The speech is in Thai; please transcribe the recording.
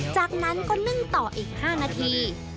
จากนั้นก็นึ่งต่ออีก๕นาที